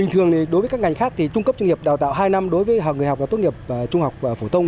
thường thì đối với các ngành khác thì trung cấp trung nghiệp đào tạo hai năm đối với người học và tốt nghiệp trung học phổ thông